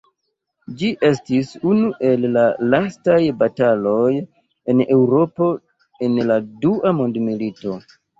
Ĝi estis unu el la lastaj bataloj en Eŭropo en la Dua Mondmilito.